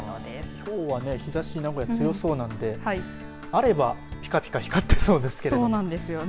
きょうは日ざし、名古屋、強そうなんであれば、ぴかぴか光ってそうですけどね。